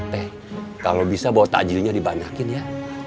teh kalau bisa bawa takjilnya dibanyakin ya